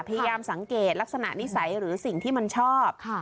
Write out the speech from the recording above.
พยายามสังเกตลักษณะนิสัยหรือสิ่งที่มันชอบ